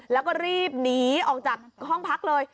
แล้วก็รีบหนีออกจากห้องพักเลย